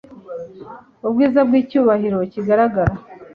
Ubwiza bwicyubahiro kigaragara